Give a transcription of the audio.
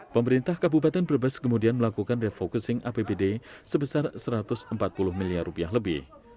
pemerintah kabupaten brebes kemudian melakukan refocusing apbd sebesar satu ratus empat puluh miliar rupiah lebih